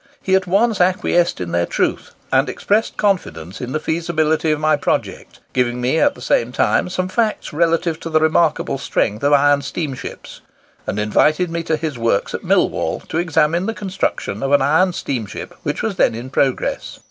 He at once acquiesced in their truth, and expressed confidence in the feasibility of my project, giving me at the same time some facts relative to the remarkable strength of iron steamships, and invited me to his works at Millwall, to examine the construction of an iron steamship which was then in progress."